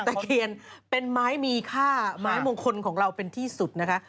ตะเคียนเป็นไม้มีค่าไม้มงคลของเราเป็นที่สุดนะคะ